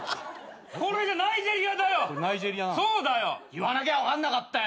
言わなきゃ分かんなかったよ。